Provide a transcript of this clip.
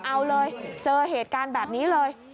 เอาเลยเจอเหตุการณ์แบบนี้เลย